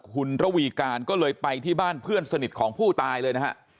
คุณระวีการก็เลยไปที่บ้านเพื่อนสนิทของผู้ตายเลยนะฮะ